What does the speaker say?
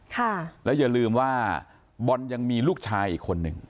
ค่ะแล้วอย่าลืมว่าบอลยังมีลูกชายอีกคนหนึ่ง